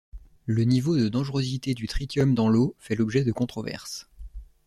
Le niveau de dangerosité du tritium dans l'eau fait l'objet de controverses.